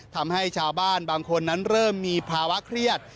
ทำให้ชาวบ้านบางคนนั้นเริ่มมีภาวะเครียด